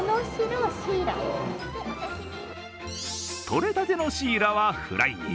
とれたてのシイラはフライに。